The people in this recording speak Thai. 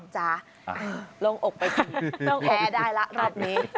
จ๊ะลงอกไปทีต้องแพ้ได้ละรอบนี้